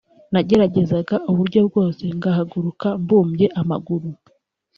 nageragezaga uburyo bwose ngahaguruka mbumbye amaguru